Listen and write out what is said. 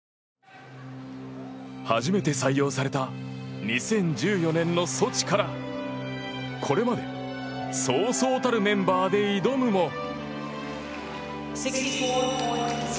初めて採用された２０１４年のソチからこれまでそうそうたるメンバーで挑むも。